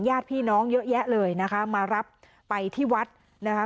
ญาติพี่น้องเยอะแยะเลยนะคะมารับไปที่วัดนะคะ